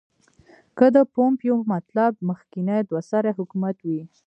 که د پومپیو مطلب مخکنی دوه سری حکومت وي.